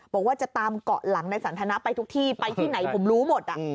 บอกว่าจะตามเกาะหลังในสันทนาไปทุกที่ไปที่ไหนผมรู้หมด